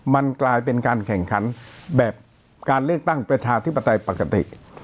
มันกลายเป็นการแข่งขันแบบการเลือกตั้งประชาธิปไตยปกติ